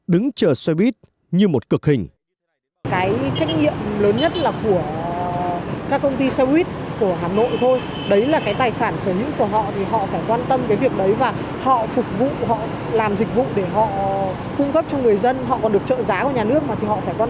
đứng chờ xe buýt như một cực hình